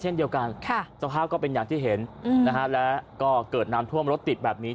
เช่นเดียวกันสภาพก็เป็นอย่างที่เห็นนะฮะแล้วก็เกิดน้ำท่วมรถติดแบบนี้